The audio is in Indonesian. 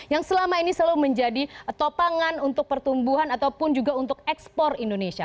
yang selama ini selalu menjadi topangan untuk pertumbuhan ataupun juga untuk ekspor indonesia